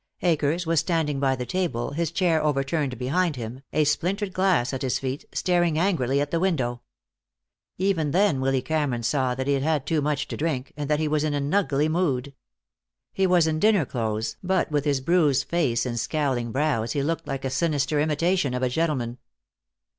Akers was standing by the table, his chair overturned behind him, a splintered glass at his feet, staring angrily at the window. Even then Willy Cameron saw that he had had too much to drink, and that he was in an ugly mood. He was in dinner clothes, but with his bruised face and scowling brows he looked a sinister imitation of a gentleman.